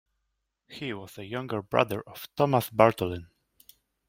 He was a younger brother of Thomas Bartholin.